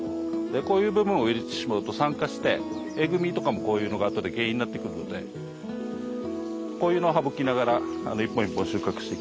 こういう部分を入れてしまうと酸化してえぐみとかもこういうのが後で原因になってくるのでこういうのを省きながら一本一本収穫していきます。